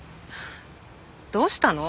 どうしたの？